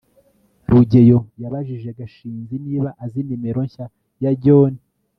rugeyo yabajije gashinzi niba azi nimero nshya ya john